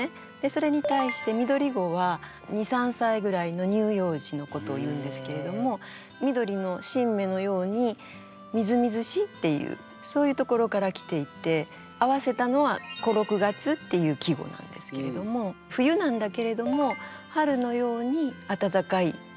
それに対してみどりごは２３歳ぐらいの乳幼児のことを言うんですけれども緑の新芽のようにみずみずしいっていうそういうところからきていて合わせたのは「小六月」っていう季語なんですけれども冬なんだけれども春のようにあたたかい日のことを言うんですね。